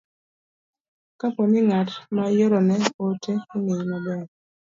Kapo ni ng'at ma iorone ote ong'eyi maber,